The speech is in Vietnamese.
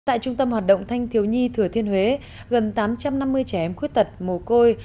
tại trung tâm hoạt động thanh thiếu nhi thừa thiên huế gần tám trăm năm mươi trẻ em khuyết tật mồ côi